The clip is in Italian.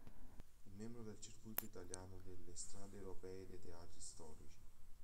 È membro del circuito italiano delle "Strade Europee dei Teatri Storici".